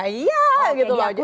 ya gitu loh